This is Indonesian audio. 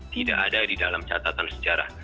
tidak ada di dalam catatan sejarah